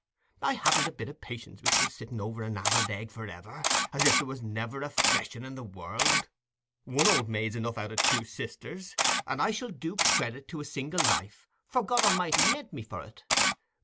I haven't a bit o' patience with you—sitting on an addled egg for ever, as if there was never a fresh un in the world. One old maid's enough out o' two sisters; and I shall do credit to a single life, for God A'mighty meant me for it.